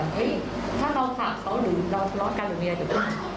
เฮ้ยถ้าเราขับเขาหรือเราทะเลาะกับโรงเรียนอะไรอยู่